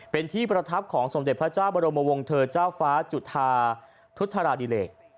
เป็นที่ประทับของสมเด็จพระเจ้าบรมวงเธอเจ้าฟ้าจุธาทุธาราดิเลก